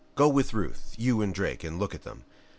"Go with Ruth, you and Drake, and look at them.